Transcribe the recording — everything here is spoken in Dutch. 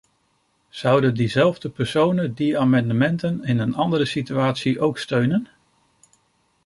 Zouden diezelfde personen die amendementen in een andere situatie ook steunen?